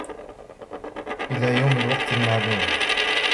إلى يوم الوقت المعلوم